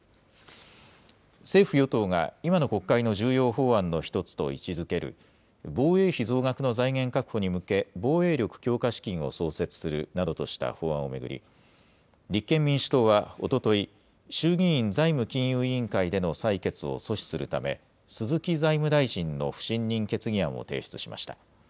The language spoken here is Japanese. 政府・与党が、今の国会の重要法案の１つと位置づける、防衛費増額の財源確保に向け、防衛力強化資金を創設するなどとした法案を巡り、立憲民主党はおととい、衆議院財務金融委員会での採決を阻止するため、鈴木財務大臣の不信任決議案を提出しました。